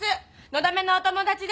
のだめのお友達です！